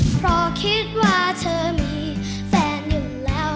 เพราะคิดว่าเธอมีแฟนหนึ่งแล้ว